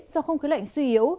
do không khí lạnh suy yếu